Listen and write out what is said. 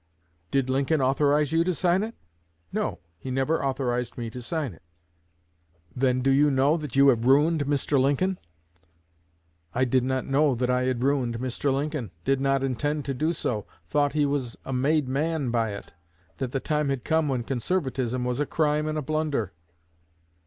'Did Lincoln authorize you to sign it?' 'No, he never authorized me to sign it.' 'Then do you know that you have ruined Mr. Lincoln?' 'I did not know that I had ruined Mr. Lincoln; did not intend to do so; thought he was a made man by it; that the time had come when conservatism was a crime and a blunder.'